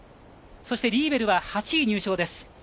そしてリーベルは８位入賞です。